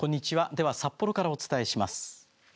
では札幌からお伝えします。